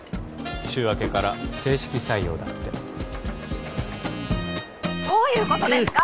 週明けから正式採用だって☎どういうことですか？